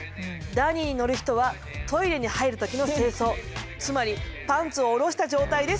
ダニーに乗る人はトイレに入る時の正装つまりパンツを下ろした状態でスタート。